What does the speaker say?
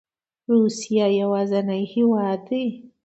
روسیه یوازینی هیواد دی